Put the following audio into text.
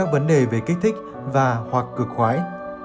vấn đề về kích thích và hoặc cực khoái